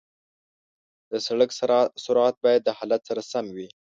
د سړک سرعت باید د حالت سره سم وي.